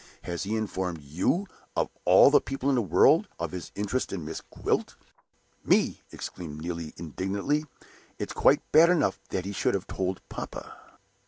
"Has he informed you, of all the people in the world, of his interest in Miss Gwilt?" "Me!" exclaimed Neelie, indignantly. "It's quite bad enough that he should have told papa."